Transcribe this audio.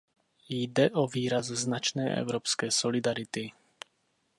Jde o výraz značné evropské solidarity.